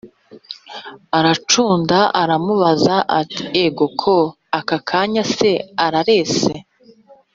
aracunda aramubaza ati"egoko akakanya se ararese?"